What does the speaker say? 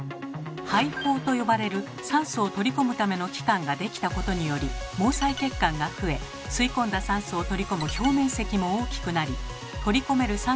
肺胞と呼ばれる酸素を取り込むための器官ができたことにより毛細血管が増え吸い込んだ酸素を取り込む表面積も大きくなり取り込める